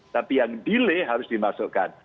tapi yang delay harus dimasukkan